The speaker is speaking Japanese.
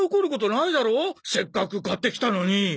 せっかく買ってきたのに。